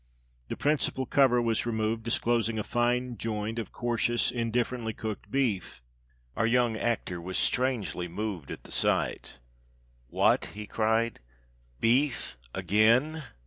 The principal cover was removed, disclosing a fine joint of coarsish, indifferently cooked beef. Our young actor was strangely moved at the sight. "What?" he cried. "Beef again?